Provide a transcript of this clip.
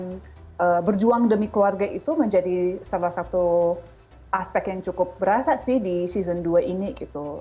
jadi memperjuangkan berjuang demi keluarga itu menjadi salah satu aspek yang cukup berasa sih di season kedua ini gitu